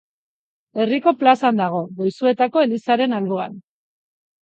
Herriko plazan dago, Goizuetako elizaren alboan.